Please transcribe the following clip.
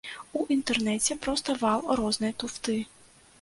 У інтэрнэце проста вал рознай туфты.